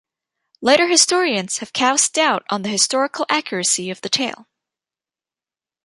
Later historians have cast doubt on the historical accuracy of the tale.